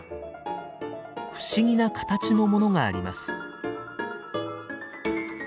不思議な形のものがあります。